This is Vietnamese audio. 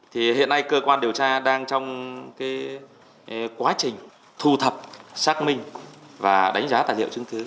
thì hiện nay cơ quan điều tra đang trong quá trình thu thập xác minh và đánh giá tài liệu chứng cứ